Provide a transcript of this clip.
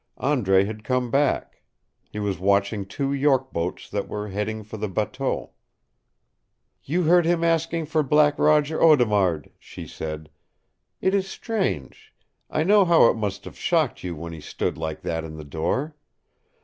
Andre had come back. He was watching two York boats that were heading for the bateau. "You heard him asking for Black Roger Audemard," she said. "It is strange. I know how it must have shocked you when he stood like that in the door.